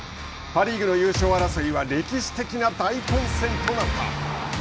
パ・リーグの優勝争いは歴史的な大混戦となった。